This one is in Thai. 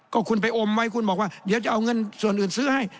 ก็คุณไปอมไว้คุณบอกว่าเดี๋ยวจะเอาเงินส่วนอื่นซื้อให้